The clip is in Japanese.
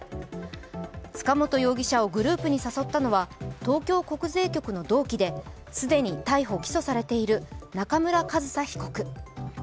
塚本容疑者をグループに誘ったのは東京国税局の同期で既に逮捕・起訴されている中村上総被告。